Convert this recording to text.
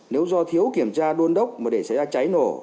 nếu do thiếu kiểm tra đôn đốc mà để xảy ra cháy nổ